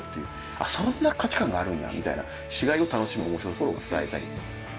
「あっそんな価値観があるんや」みたいな違いを楽しむ面白さを伝えたい。